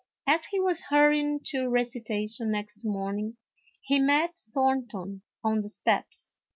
As he was hurrying to recitation next morning, he met Thornton on the steps.